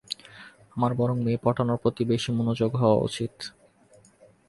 আমার বরং মেয়ে পটানোর প্রতি বেশী মনযোগী হওয়া উচিৎ।